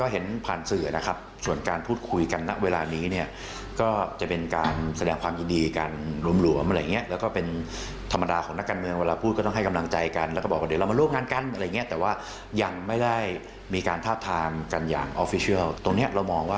หากหลืนรวมกับภูมิใจไทยเข้าไปเนี่ย